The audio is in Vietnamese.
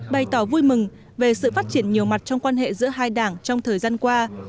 bày tỏ vui mừng về sự phát triển nhiều mặt trong quan hệ giữa hai đảng trong thời gian qua